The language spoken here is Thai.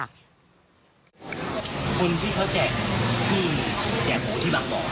ฮข้ายใจเห็นหยิต